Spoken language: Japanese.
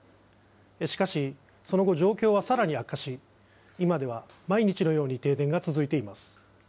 しかし、その後、状況はさらに悪化し、今では毎日のように停電が続いています。